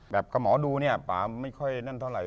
กับหมอดูเนี่ยป่าไม่ค่อยนั่นเท่าไห